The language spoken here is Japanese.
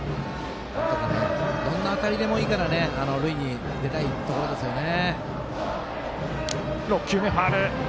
なんとかどんな当たりでもいいから塁に出たいところですね。